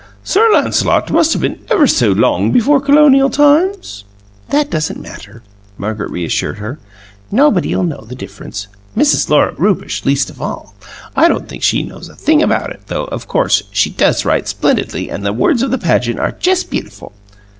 "Sir Lancelot must have been ever so long before Colonial times." "That doesn't matter," Margaret reassured her. "Nobody'll know the difference Mrs. Lora Rewbush least of all. I don't think she knows a thing about it, though, of course, she does write splendidly and the words of the pageant are just beautiful.